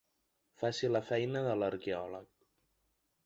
Faci la feina de l'arqueòleg.